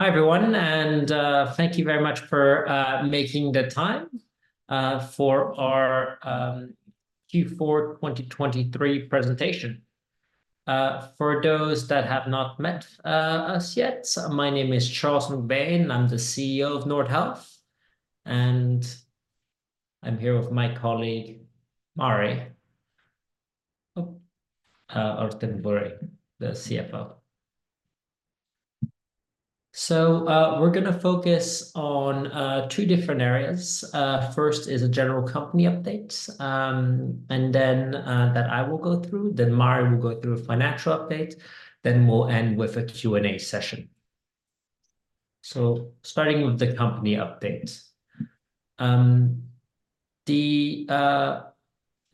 Hi everyone, and thank you very much for making the time for our Q4 2023 presentation. For those that have not met us yet, my name is Charles MacBain, I'm the CEO of Nordhealth. I'm here with my colleague, Mari Orttenvuori, the CFO. So, we're going to focus on two different areas. First is a general company update, and then that I will go through, then Mari will go through a financial update, then we'll end with a Q&A session. So starting with the company update. The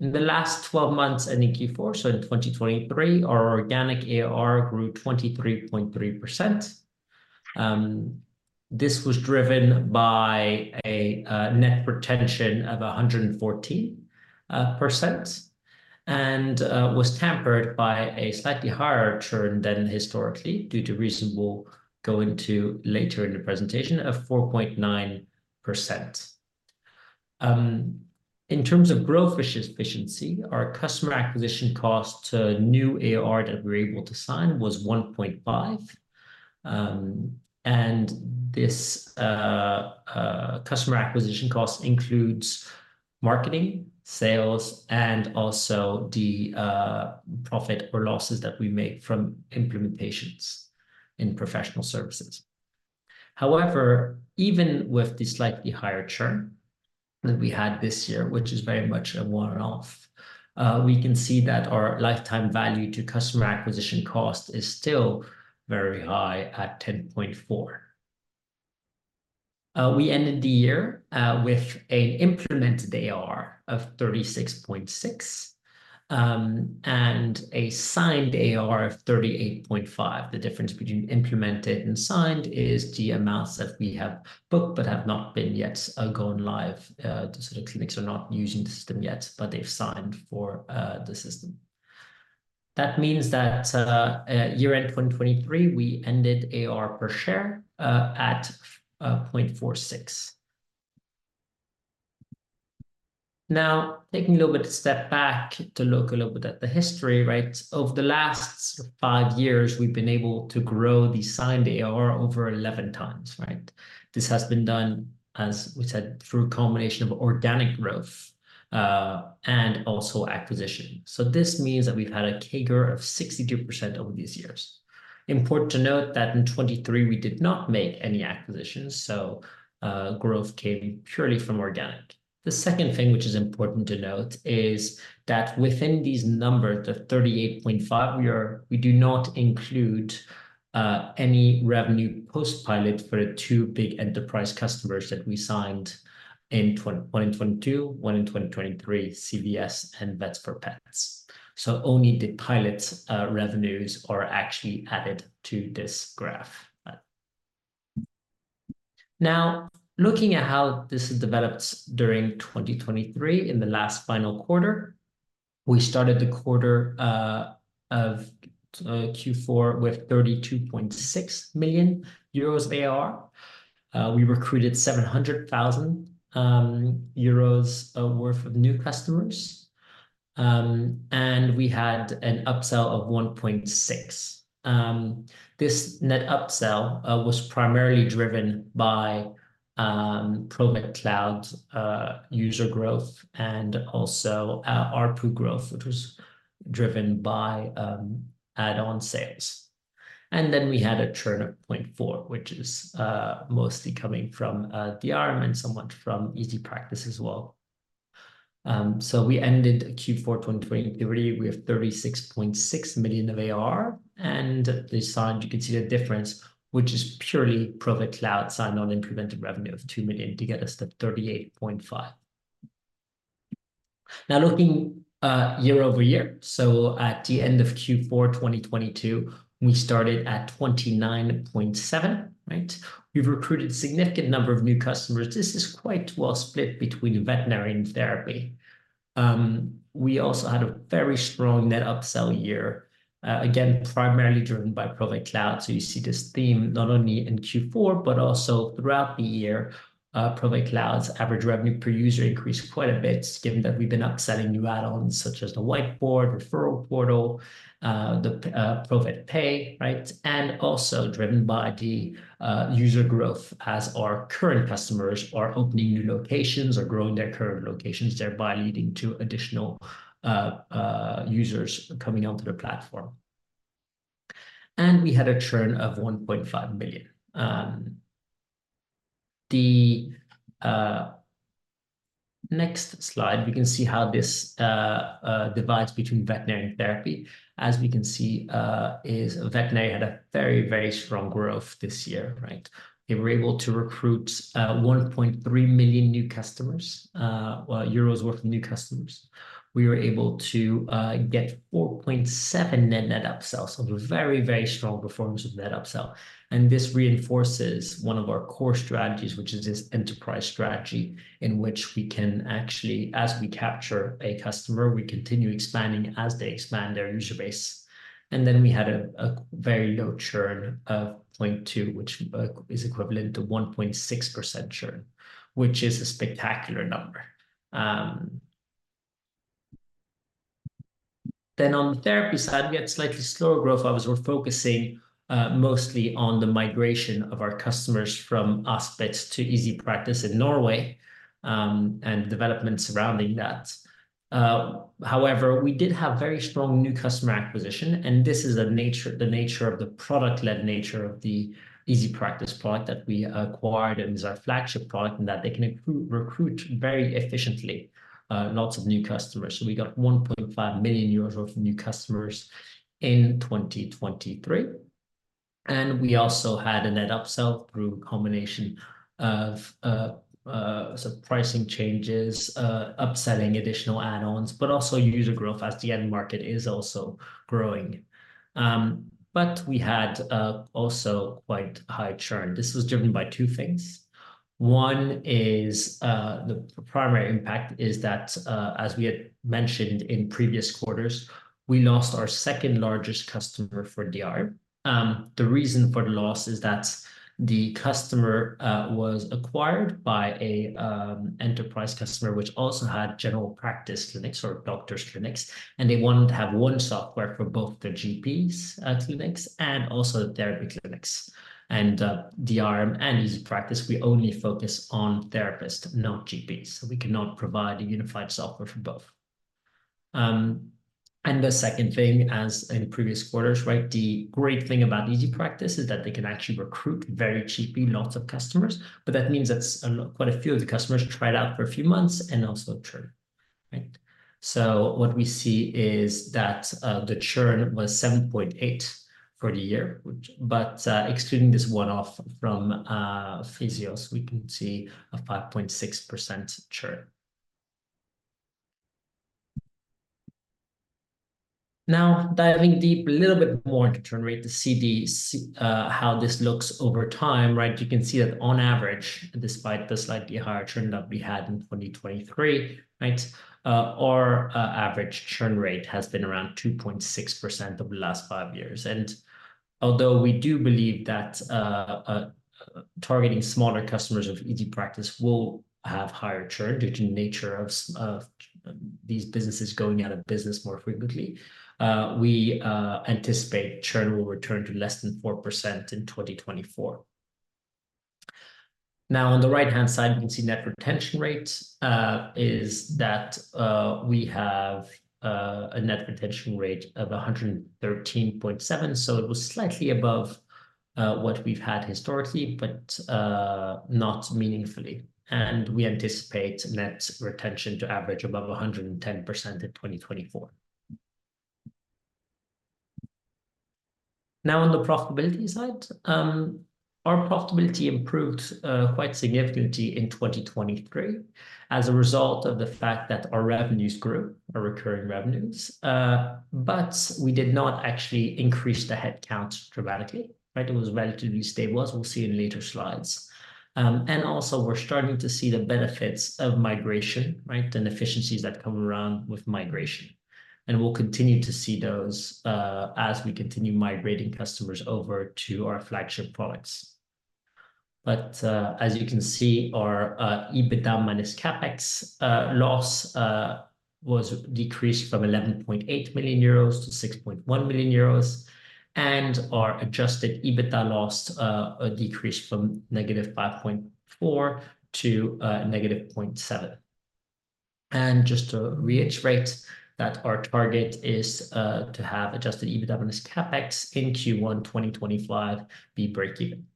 in the last 12 months in Q4, so in 2023, our organic ARR grew 23.3%. This was driven by a net retention of 114%. And was tempered by a slightly higher churn than historically due to reasons we'll go into later in the presentation of 4.9%. In terms of growth efficiency, our customer acquisition cost to new ARR that we were able to sign was 1.5%. And this customer acquisition cost includes marketing, sales, and also the profit or losses that we make from implementations in professional services. However, even with the slightly higher churn that we had this year, which is very much a one-off, we can see that our lifetime value to customer acquisition cost is still very high at 10.4%. We ended the year with an implemented ARR of 36.6% and a signed ARR of 38.5%. The difference between implemented and signed is the amounts that we have booked but have not been yet gone live. The sort of clinics are not using the system yet, but they've signed for the system. That means that year-end 2023, we ended ARR per share at 0.46%. Now, taking a little bit of a step back to look a little bit at the history, right, over the last five years, we've been able to grow the signed ARR over 11x, right? This has been done, as we said, through a combination of organic growth, and also acquisition. So this means that we've had a CAGR of 62% over these years. Important to note that in 2023 we did not make any acquisitions, so, growth came purely from organic. The second thing which is important to note is that within these numbers, the 38.5%, we do not include, any revenue post-pilot for the two big enterprise customers that we signed in 2022, one in 2023, CVS and Vets4Pets. So only the pilot, revenues are actually added to this graph. Now, looking at how this has developed during 2023 in the last final quarter. We started the quarter of Q4 with EUR 32.6 million ARR. We recruited 700,000 euros worth of new customers. And we had an upsell of 1.6%. This net upsell was primarily driven by Provet Cloud user growth and also ARPU growth, which was driven by add-on sales. And then we had a churn of 0.4%, which is mostly coming from Diarium and somewhat from EasyPractice as well. So we ended Q4 2023 with 36.6 million of ARR and they signed. You can see the difference which is purely Provet Cloud signed on implemented revenue of 2 million to get us to 38.5 million. Now looking year-over-year, so at the end of Q4 2022, we started at 29.7 million, right? We've recruited a significant number of new customers. This is quite well split between veterinary and therapy. We also had a very strong net upsell year. Again, primarily driven by Provet Cloud. So you see this theme not only in Q4, but also throughout the year. Provet Cloud's average revenue per user increased quite a bit given that we've been upselling new add-ons such as the whiteboard, referral portal, Provet Pay, right? And also driven by user growth as our current customers are opening new locations or growing their current locations, thereby leading to additional users coming onto the platform. And we had a churn of 1.5 million. The next slide, we can see how this divides between veterinary and therapy. As we can see, veterinary had a very, very strong growth this year, right? They were able to recruit 1.3 million worth of new customers. We were able to get 4.7 million net net upsells, so very, very strong performance of net upsell. This reinforces one of our core strategies, which is this enterprise strategy in which we can actually, as we capture a customer, we continue expanding as they expand their user base. Then we had a very low churn of 0.2%, which is equivalent to 1.6% churn. Which is a spectacular number. Then on the therapy side, we had slightly slower growth. Obviously, we're focusing mostly on the migration of our customers from Aspit to EasyPractice in Norway and development surrounding that. However, we did have very strong new customer acquisition and this is the nature of the product-led nature of the EasyPractice product that we acquired and is our flagship product and that they can recruit very efficiently lots of new customers. So we got 1.5 million euros worth of new customers in 2023. And we also had a net upsell through a combination of, so pricing changes, upselling additional add-ons, but also user growth as the end market is also growing. But we had also quite high churn. This was driven by two things. One is, the primary impact is that, as we had mentioned in previous quarters, we lost our second largest customer for Diarium. The reason for the loss is that the customer was acquired by an enterprise customer which also had general practice clinics or doctors' clinics and they wanted to have one software for both the GPs' clinics and also the therapy clinics. And, Diarium and EasyPractice, we only focus on therapists, not GPs. So we cannot provide a unified software for both. And the second thing, as in previous quarters, right, the great thing about EasyPractice is that they can actually recruit very cheaply lots of customers, but that means that quite a few of the customers try it out for a few months and also churn. Right? So what we see is that the churn was 7.8% for the year, but excluding this one-off from Fysios, we can see a 5.6% churn. Now diving deep a little bit more into churn rate to see how this looks over time, right? You can see that on average, despite the slightly higher churn that we had in 2023, right, our average churn rate has been around 2.6% of the last five years. And although we do believe that targeting smaller customers of EasyPractice will have higher churn due to the nature of these businesses going out of business more frequently. We anticipate churn will return to less than 4% in 2024. Now on the right-hand side, you can see Net Retention Rate. That is, we have a Net Retention Rate of 113.7%. So it was slightly above what we've had historically, but not meaningfully. And we anticipate Net Retention Rate to average above 110% in 2024. Now on the profitability side, our profitability improved quite significantly in 2023. As a result of the fact that our revenues grew, our recurring revenues, but we did not actually increase the headcount dramatically, right? It was relatively stable as we'll see in later slides. And also we're starting to see the benefits of migration, right? And efficiencies that come around with migration. We'll continue to see those, as we continue migrating customers over to our flagship products. But as you can see, our EBITDA minus CAPEX loss was decreased from 11.8 million-6.1 million euros. And our adjusted EBITDA loss decreased from -5.4% to -0.7%. And just to reiterate that our target is to have adjusted EBITDA minus CAPEX in Q1 2025 be break-even.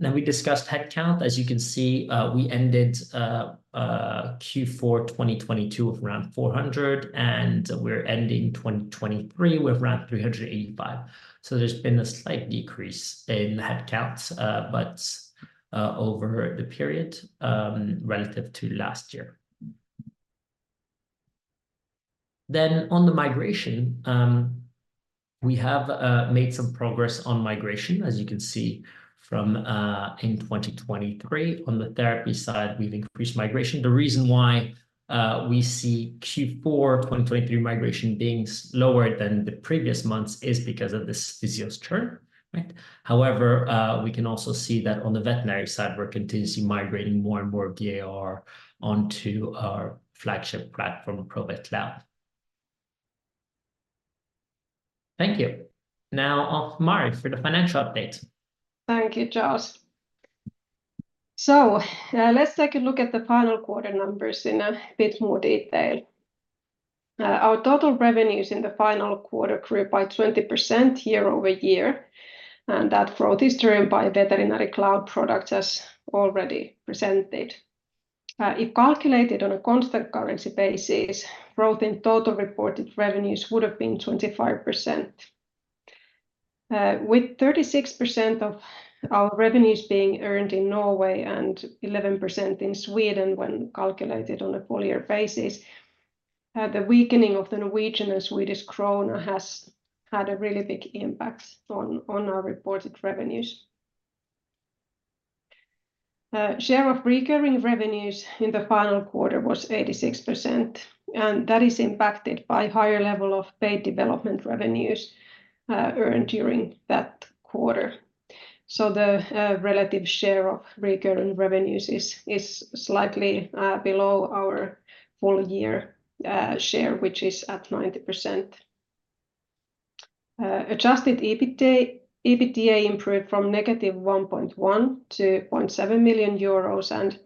Now we discussed headcount. As you can see, we ended Q4 2022 with around 400 and we're ending 2023 with around 385. So there's been a slight decrease in the headcounts, but over the period, relative to last year. Then on the migration, we have made some progress on migration, as you can see from in 2023. On the therapy side, we've increased migration. The reason why we see Q4 2023 migration being lower than the previous months is because of this Fysios churn. Right? However, we can also see that on the veterinary side, we're continuously migrating more and more of the ARR onto our flagship platform, Provet Cloud. Thank you. Now off to Mari for the financial update. Thank you, Charles. So let's take a look at the final quarter numbers in a bit more detail. Our total revenues in the final quarter grew by 20% year-over-year. And that growth is driven by veterinary cloud products as already presented. If calculated on a constant currency basis, growth in total reported revenues would have been 25%. With 36% of our revenues being earned in Norway and 11% in Sweden when calculated on a full-year basis. The weakening of the Norwegian and Swedish krona has had a really big impact on our reported revenues. Share of recurring revenues in the final quarter was 86%. And that is impacted by a higher level of paid development revenues earned during that quarter. So the relative share of recurring revenues is slightly below our full-year share, which is at 90%. Adjusted EBITDA improved from -1.1 million-0.7 million euros and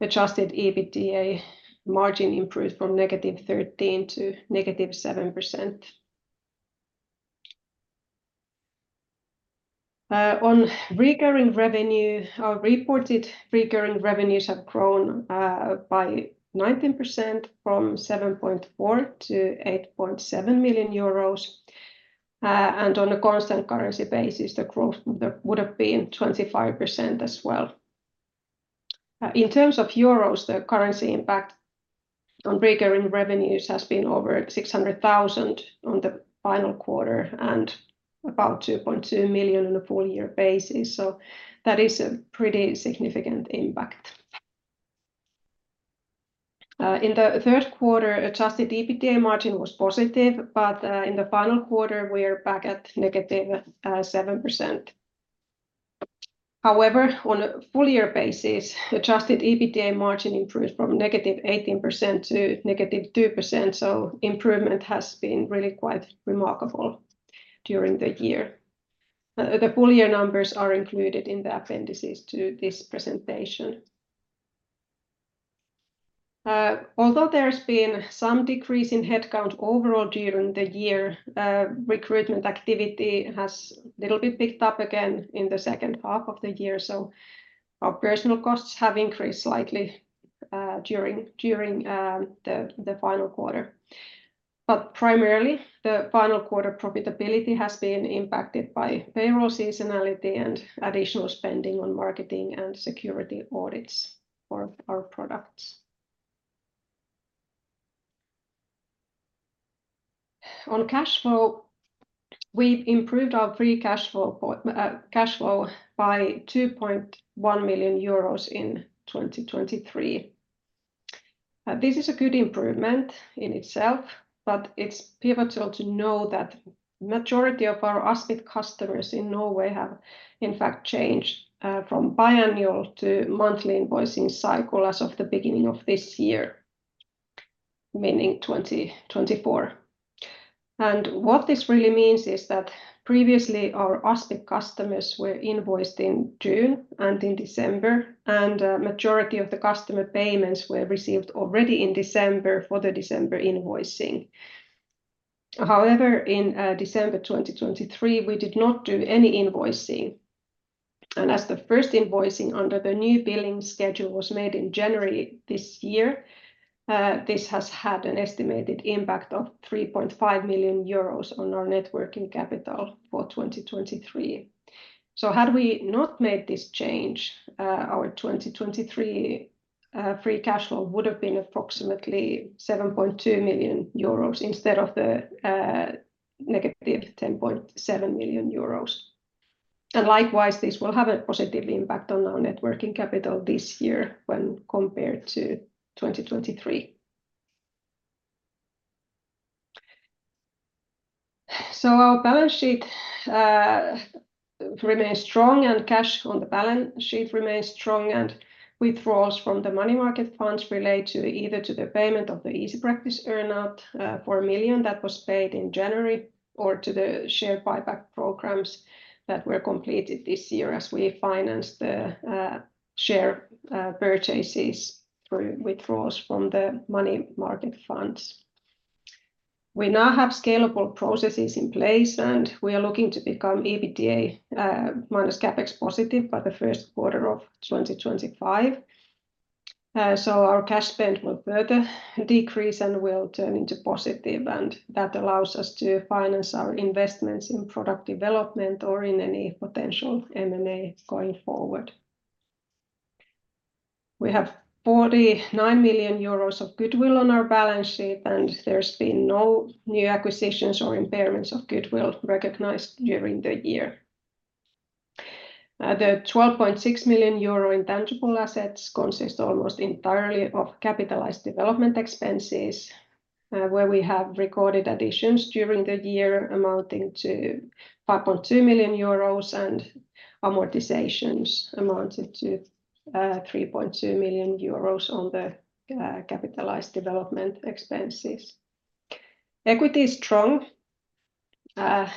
adjusted EBITDA margin improved from -13% to -7%. On recurring revenue, our reported recurring revenues have grown by 19% from 7.4 million-8.7 million euros. And on a constant currency basis, the growth would have been 25% as well. In terms of euros, the currency impact on recurring revenues has been over 600,000 on the final quarter and about 2.2 million on a full-year basis. So that is a pretty significant impact. In the third quarter, adjusted EBITDA margin was positive, but in the final quarter, we are back at -7%. However, on a full-year basis, adjusted EBITDA margin improved from -18% to -2%. So improvement has been really quite remarkable during the year. The full-year numbers are included in the appendices to this presentation. Although there's been some decrease in headcount overall during the year, recruitment activity has a little bit picked up again in the second half of the year. So our personnel costs have increased slightly during the final quarter. But primarily, the final quarter profitability has been impacted by payroll seasonality and additional spending on marketing and security audits for our products. On cash flow, we've improved our free cash flow by 2.1 million euros in 2023. This is a good improvement in itself, but it's pivotal to know that the majority of our Aspit customers in Norway have, in fact, changed from biannual to monthly invoicing cycle as of the beginning of this year. Meaning 2024. What this really means is that previously our Aspit customers were invoiced in June and in December, and the majority of the customer payments were received already in December for the December invoicing. However, in December 2023, we did not do any invoicing. As the first invoicing under the new billing schedule was made in January this year, this has had an estimated impact of 3.5 million euros on our net working capital for 2023. Had we not made this change, our 2023 free cash flow would have been approximately 7.2 million euros instead of the -10.7 million euros. And likewise, this will have a positive impact on our networking capital this year when compared to 2023. So our balance sheet remains strong and cash on the balance sheet remains strong and withdrawals from the money market funds relate to either to the payment of the EasyPractice earnout for 1 million that was paid in January or to the share buyback programs that were completed this year as we financed the share purchases through withdrawals from the money market funds. We now have scalable processes in place and we are looking to become EBITDA minus CAPEX positive by the first quarter of 2025. So our cash spend will further decrease and will turn into positive and that allows us to finance our investments in product development or in any potential M&A going forward. We have 49 million euros of goodwill on our balance sheet and there's been no new acquisitions or impairments of goodwill recognized during the year. The 12.6 million euro intangible assets consist almost entirely of capitalized development expenses where we have recorded additions during the year amounting to 5.2 million euros and amortizations amounting to 3.2 million euros on the capitalized development expenses. Equity is strong.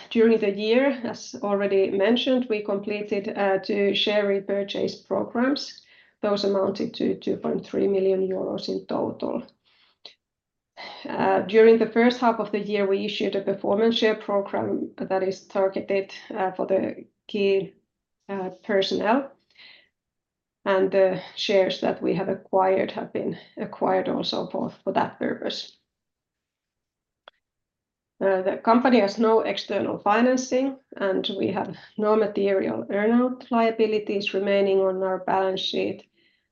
During the year, as already mentioned, we completed two share repurchase programs. Those amounted to 2.3 million euros in total. During the first half of the year, we issued a performance share program that is targeted for the key personnel. The shares that we have acquired have been acquired also for that purpose. The company has no external financing and we have no material earnout liabilities remaining on our balance sheet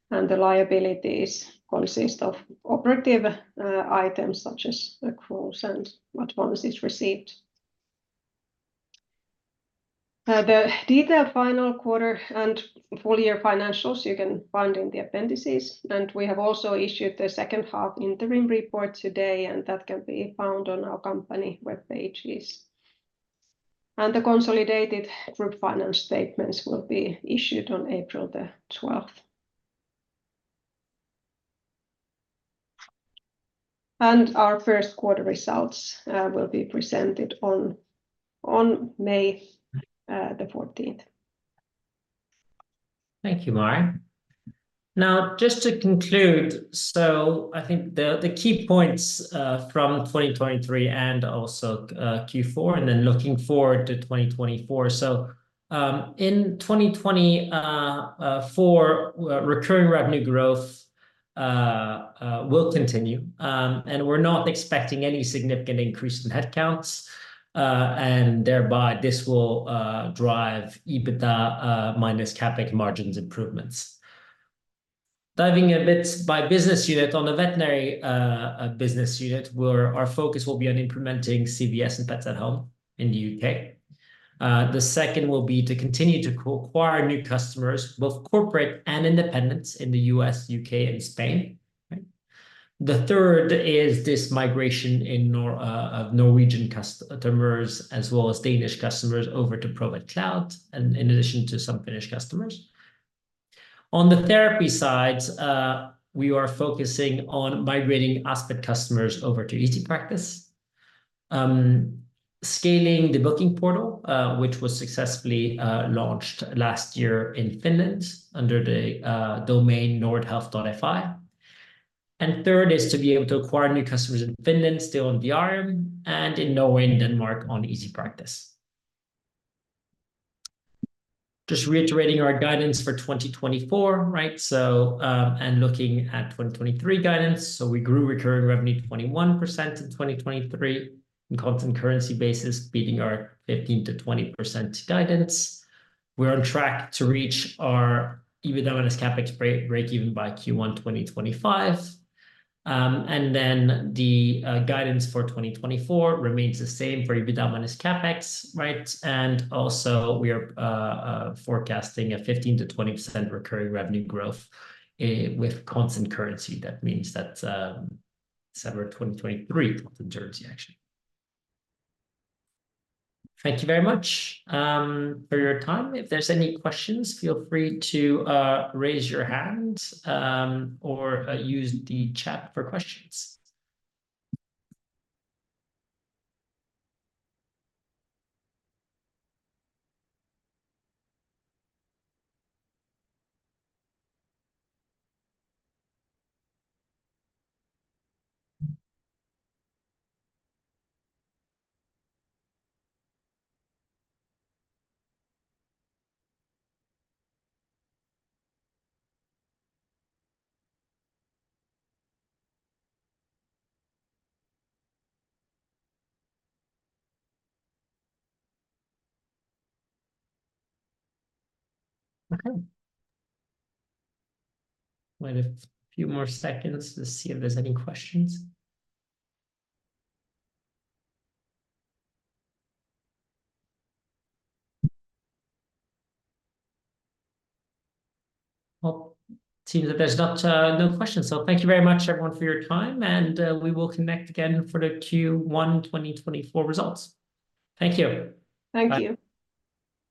and the liabilities consist of operative items such as quotes and advances received. The detailed final quarter and full-year financials you can find in the appendices. We have also issued the second half interim report today and that can be found on our company web pages. The consolidated group finance statements will be issued on April 12th. Our first quarter results will be presented on May 14th. Thank you, Mari. Now, just to conclude, so I think the key points from 2023 and also Q4 and then looking forward to 2024. In 2024, recurring revenue growth will continue. We're not expecting any significant increase in headcounts. Thereby this will drive EBITDA minus CAPEX margins improvements. Diving a bit by business unit on the veterinary business unit, where our focus will be on implementing CVS and Pets at Home in the UK. The second will be to continue to acquire new customers, both corporate and independents in the US, UK, and Spain. Right? The third is this migration in Norwegian customers as well as Danish customers over to Provet Cloud and in addition to some Finnish customers. On the therapy side, we are focusing on migrating Aspit customers over to EasyPractice. Scaling the booking portal, which was successfully launched last year in Finland under the domain nordhealth.fi. Third is to be able to acquire new customers in Finland still on Diarium and in Norway and Denmark on EasyPractice. Just reiterating our guidance for 2024, right? So, and looking at 2023 guidance. So we grew recurring revenue 21% in 2023. In constant currency basis, beating our 15%-20% guidance. We're on track to reach our EBITDA minus CAPEX break-even by Q1 2025. The guidance for 2024 remains the same for EBITDA minus CAPEX, right? Also we are forecasting a 15%-20% recurring revenue growth with constant currency. That means that September 2023, in terms of actually. Thank you very much for your time. If there's any questions, feel free to raise your hand or use the chat for questions. Okay. We have a few more seconds to see if there's any questions. Well, it seems that there's not no questions. Thank you very much, everyone, for your time, and we will connect again for the Q1 2024 results. Thank you. Thank you.